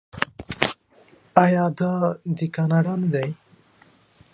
آیا دا دی کاناډا نه دی؟